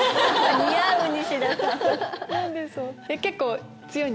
結構。